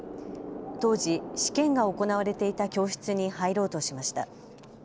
当時、試験が行われていた教室に入ろうとしました。